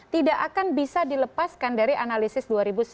tidak akan bisa dilepaskan dari analisis dua ribu sembilan belas